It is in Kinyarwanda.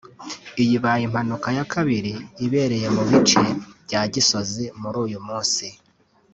Iyi ibaye impanuka ya kabiri ibereye mu bice bya Gisozi muri uyu munsi